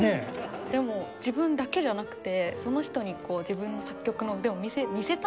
でも自分だけじゃなくてその人に自分の作曲の腕を見せたいなみたいな。